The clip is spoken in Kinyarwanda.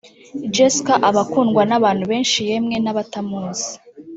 Jessica aba akundwa n’abantu benshi yemwe n’abatamuzi